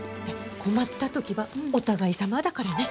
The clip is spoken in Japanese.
困った時はお互いさまだからね。